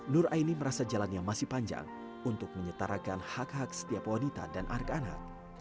nur aini merasa jalannya masih panjang untuk menyetarakan hak hak setiap wanita dan anak anak